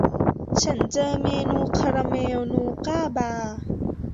ฉันเจอเมนูคาราเมลนูก้าบาร์